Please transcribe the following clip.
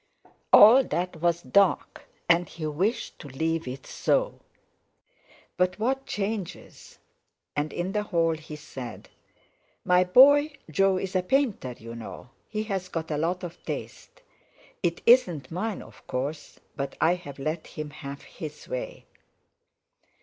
All that was dark, and he wished to leave it so. But what changes! And in the hall he said: "My boy Jo's a painter, you know. He's got a lot of taste. It isn't mine, of course, but I've let him have his way."